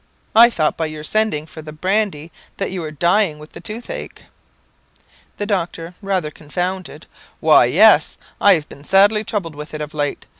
I thought by your sending for the brandy, that you were dying with the toothache." The doctor, rather confounded "Why, yes; I have been sadly troubled with it of late.